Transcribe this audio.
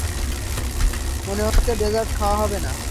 মনে হচ্ছে ডেজার্ট খাওয়া হবে না।